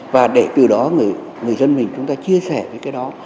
và để từ đó người dân mình chúng ta chia sẻ với cái đó